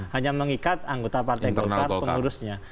hanya mengikat anggota partai golkar pengurusnya